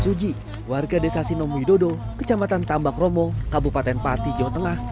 suji warga desa sinom widodo kecamatan tambakromo kabupaten pati jawa tengah